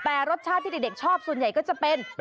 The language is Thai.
แต่รสชาติที่เด็กชอบส่วนใหญ่ก็จะเป็น